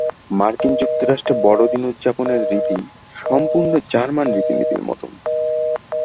মার্কিন যুক্তরাষ্ট্রে বড়দিন উদযাপনের রীতি সম্পূর্ণ জার্মান রীতিনীতির মতন।